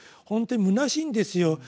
本当に空しいんですよ。